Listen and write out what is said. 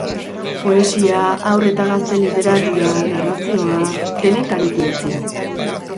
Poesia, Haur eta Gazte Literatura, narrazioa... denetarik idatzi du.